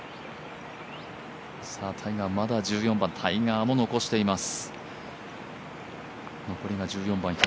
タイガーまだ１４番、タイガーも残しています。